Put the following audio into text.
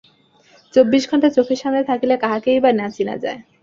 চব্বিশ ঘণ্টা চোখের সামনে থাকিলে কাহাকেই বা না চিনা যায়?